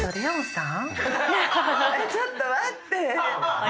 ちょっと待って！